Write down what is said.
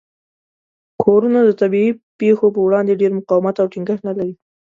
کورونه د طبیعي پیښو په وړاندې ډیر مقاومت او ټینګښت نه لري.